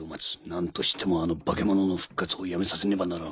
何としてもあの化け物の復活をやめさせねばならん。